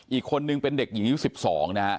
อีกคนหนึ่งเป็นเด็กหญิงยุคสิบสอง